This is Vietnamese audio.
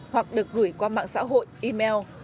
hoặc được gửi qua mạng xã hội email